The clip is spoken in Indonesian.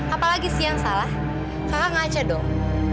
apalagi sih yang salah kakak ngaca dong